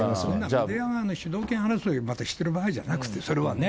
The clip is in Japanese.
メディアが主導権争いとかそういう話してる場合じゃなくてね、それはね。